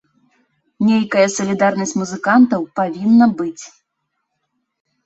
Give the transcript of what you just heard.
Нейкая салідарнасць музыкантаў павінна быць.